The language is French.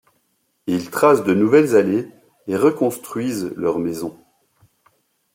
Ils tracent de nouvelles allées et reconstruisent leurs maisons.